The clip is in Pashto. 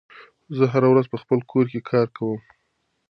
زه هره ورځ په خپل کور کې کار کوم.